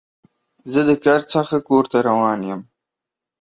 زه د کار څخه کور ته روان یم.